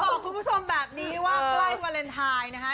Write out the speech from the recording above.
บอกคุณผู้ชมแบบนี้ว่าใกล้วาเลนไทยนะคะ